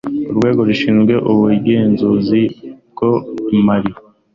Urwego rushinzwe ubugenzuzi bw imari